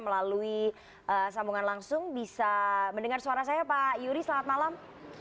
melalui sambungan langsung bisa mendengar suara saya pak yuri selamat malam